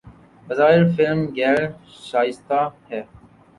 بظاہر فلم غیر شائستہ ہے